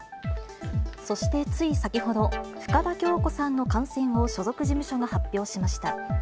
そしてつい先ほど、深田恭子さんの感染を所属事務所が発表しました。